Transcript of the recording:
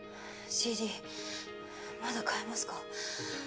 まだ買えますか？